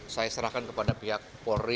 saya serahkan kepada pihak polri